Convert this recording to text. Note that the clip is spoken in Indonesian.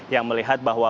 yang melihat bahwa